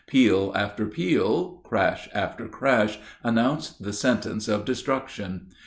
Peal after peal, crash after crash, announced the sentence of destruction.